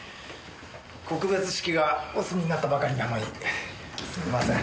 告別式がお済みになったばかりなのにすいません。